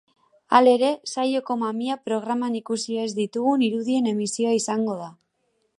Halere, saioko mamia programan ikusi ez ditugun irudien emisioa izango da.